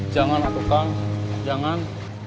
jangan kang jangan